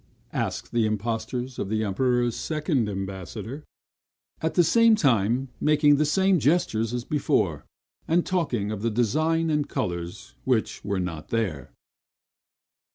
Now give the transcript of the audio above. asked the impostors of the Emperor's second ambassador; at the same time making the same gestures as before, and talking of the design and colors which were not there.